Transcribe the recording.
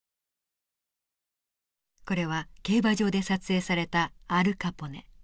これは競馬場で撮影されたアル・カポネ。